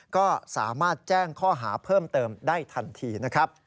ก็สามารถแจ้งข้อหาเพิ่มเติมได้ทันทีนะครับ